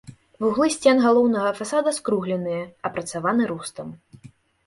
Вуглы сцен галоўнага фасада скругленыя, апрацаваны рустам.